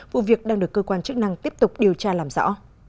vụ việc đang được cơ quan chức năng tiếp tục điều tra làm rõ